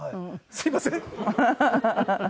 すいません。